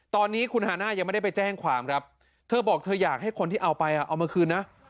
ตอนนี้คุณฮาน่ายังไม่ได้ไปแจ้งความครับเธอบอกเธออยากให้คนที่เอาไปเอามาคืนนะ